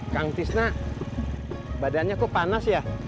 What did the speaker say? kang fishna badannya kok panas ya